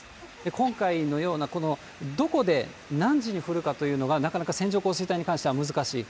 今回のようなこの、どこで何時に降るかというのがなかなか線状降水帯に関しては難しい。